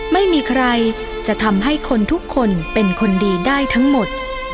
ไม่มีใครจะทำให้คนทุกคนเป็นคนดีได้ทั้งหมด